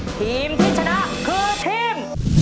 ทีมที่ชนะคือทีม